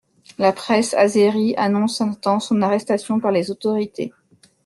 La presse azérie annonce un temps son arrestation par les autorités.